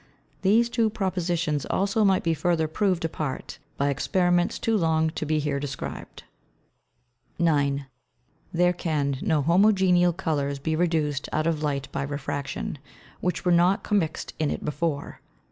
These two Propositions also might be further proved apart, by Experiments too long to be here described. 9. There can no Homogeneal Colours be reduced out of Light by Refraction, which were not commixt in it before.